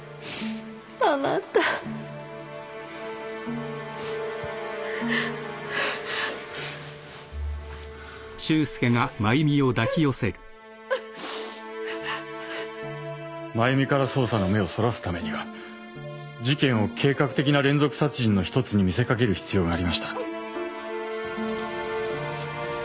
あなた真弓から捜査の目をそらすためには事件を計画的な連続殺人の一つに見せ掛ける必要がありました。